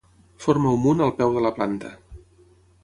Forma un munt al peu de la planta.